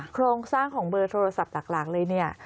โครงสร้างของเบอร์โทรศัพท์หลักเลยเนี่ย